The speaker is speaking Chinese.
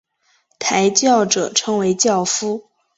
抬轿者称为轿夫。